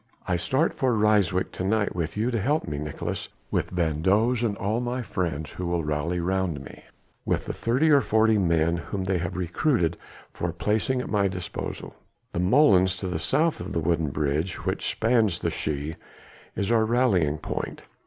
I start for Ryswyk to night with you to help me, Nicolaes, with van Does and all my friends who will rally round me, with the thirty or forty men whom they have recruited for placing at my disposal. The molens to the south of the wooden bridge which spans the Schie is our rallying point.